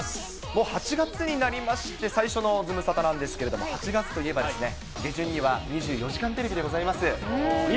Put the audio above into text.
もう８月になりまして、最初のズムサタなんですけれども、８月といえばですね、下旬には２４時間テレビでございます。